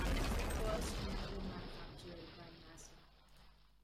It was also the first vehicle manufactured by Mazda.